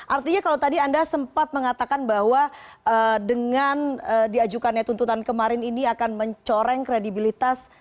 artinya kalau tadi anda sempat mengatakan bahwa dengan diajukannya tuntutan kemarin ini akan mencoreng kredibilitas